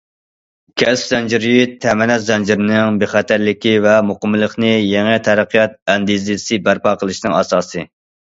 كەسىپ زەنجىرى، تەمىنات زەنجىرىنىڭ بىخەتەرلىكى ۋە مۇقىملىقى يېڭى تەرەققىيات ئەندىزىسى بەرپا قىلىشنىڭ ئاساسى.